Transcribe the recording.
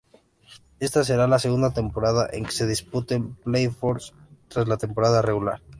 Esta será la segunda temporada en que se disputan playoffs tras la temporada regular.